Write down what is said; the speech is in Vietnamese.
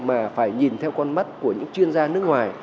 mà phải nhìn theo con mắt của những chuyên gia nước ngoài